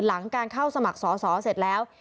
หลังการเข้าสมัครสอสอเสร็จแล้ว